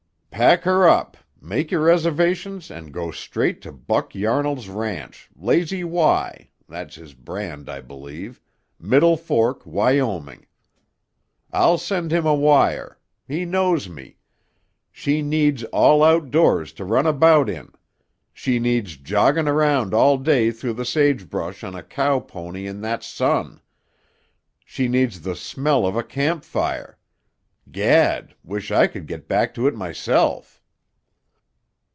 "Pack her up. Make your reservations and go straight to 'Buck' Yarnall's ranch, Lazy Y, that's his brand, I believe, Middle Fork, Wyoming. I'll send him a wire. He knows me. She needs all outdoors to run about in. She needs joggin' around all day through the sagebrush on a cow pony in that sun; she needs the smell of a camp fire Gad! wish I could get back to it myself."